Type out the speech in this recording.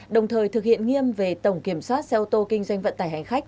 đồng thời thực hiện nghiêm về tổng kiểm soát xe ô tô kinh doanh vận tải hành khách